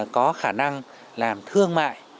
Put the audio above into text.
có khả năng làm thương mại